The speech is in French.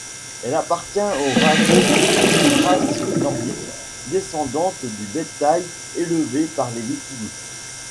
Elle appartient au rameau des races nordiques, descendante du bétail élevé par les Vikings.